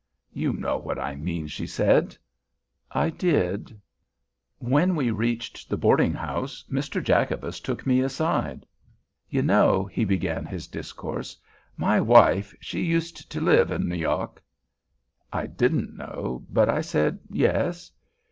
"You know what I mean," she said. I did. When we reached the boarding house, Mr. Jacobus took me aside. "You know," he began his discourse, "my wife she uset to live in N' York!" I didn't know, but I said "Yes."